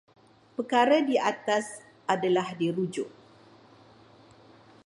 Perkara di atas adalah dirujuk.